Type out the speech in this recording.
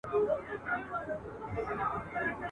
د زلمیو تویېدل پکښي سرونه ..